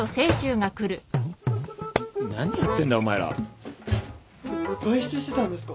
何やってんだお前ら。外出してたんですか！？